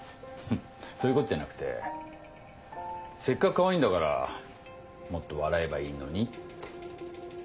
そういうことじゃなくてせっかくかわいいんだからもっと笑えばいいのにって。